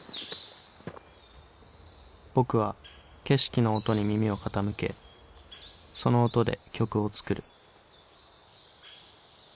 僕は景色の音に耳を傾けその音で曲を作る。